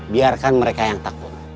biarkan mereka yang takut